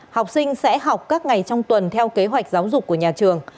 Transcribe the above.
học sinh sẽ học các ngày trong tuần theo kế hoạch giáo dục của nhà trường